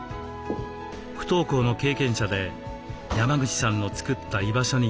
不登校の経験者で山口さんの作った居場所に来ていました。